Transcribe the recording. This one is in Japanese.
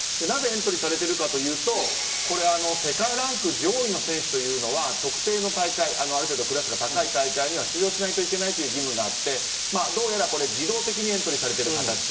なぜかというと世界ランク上位の選手というのは特定の大会ある程度、クラスが高い大会には出場しないといけないというルールがあってどうやらこれ、自動的にエントリーされている形。